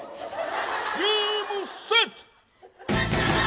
ゲームセット！」。